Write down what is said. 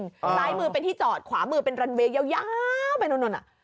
ซ้ายมือเป็นที่จอดขวามือเป็นรันเวย์ยาวไปนู่น